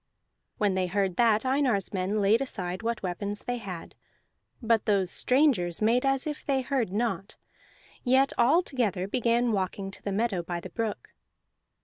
When they heard that, Einar's men laid aside what weapons they had; but those strangers made as if they heard not, yet all together began walking to the meadow by the brook.